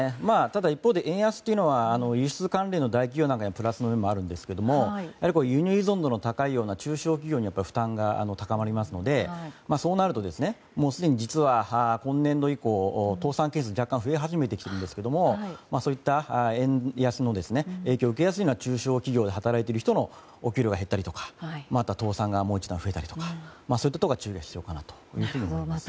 ただ、一方で円安は輸出関連の大企業などにはプラスの面もあるんですがやはり、輸入依存度が高いような中小企業には負担が高まりますのでそうなると、すでに実は今年度以降倒産件数が若干増え始めてきているんですがそういった円安の影響を受けやすいような中小企業で働いている人のお給料が減ったりとか倒産が増えたりとかそういうことに注意が必要かと思います。